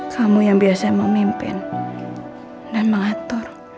kamu yang biasa memimpin dan mengatur